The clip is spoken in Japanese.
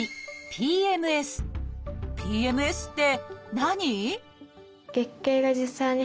「ＰＭＳ」って何？